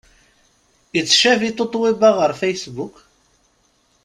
Ittcabi Tatoeba ɣer Facebook?